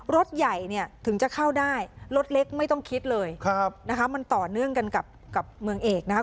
รถใหญ่เนี่ยถึงจะเข้าได้รถเล็กไม่ต้องคิดเลยนะคะมันต่อเนื่องกันกับเมืองเอกนะครับ